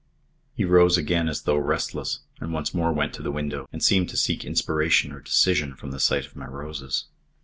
He rose again as though restless, and once more went to the window and seemed to seek inspiration or decision from the sight of my roses.